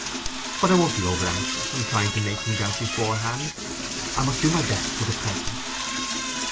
But I won't be over anxious, and trying to make things out beforehand: I must do my best for the present."